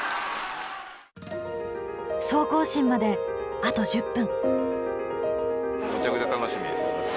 総行進まであと１０分。